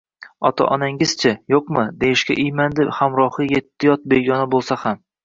-Ota-onangiz-chi? – “Yo’qmi?” deyishga iymandi hamrohi yetti yot begona bo’lsa ham.